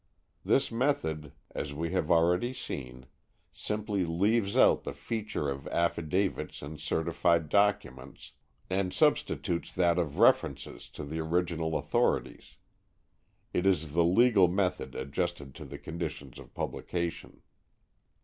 This method, as we have already seen, simply leaves out the feature of affidavits and certified documents, and substitutes that of references to the original authorities. It is the legal method adjusted to the conditions of publication.